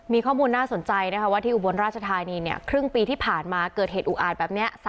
มีข้อมูลน่าสนใจนะคะว่าที่อุบลราชธานีเนี่ยครึ่งปีที่ผ่านมาเกิดเหตุอุอาจแบบนี้